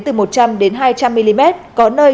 từ một trăm linh đến hai trăm linh mm có nơi